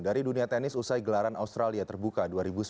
dari dunia tenis usai gelaran australia terbuka dua ribu sembilan belas